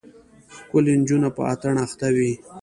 ښکلې نجونه په اتڼ اخته وې.